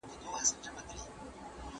که خویندې میخانیکې وي نو موټر به خراب نه وي.